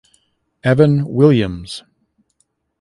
Evan Williams